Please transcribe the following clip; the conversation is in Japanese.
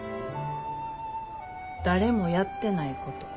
誰もやってないこと。